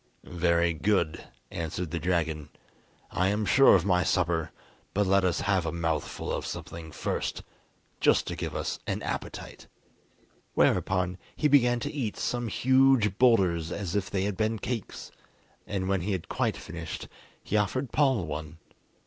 "Very good," answered the dragon. "I am sure of my supper, but let us have a mouthful of something first, just to give us an appetite." Whereupon he began to eat some huge boulders as if they had been cakes, and when he had quite finished, he offered Paul one.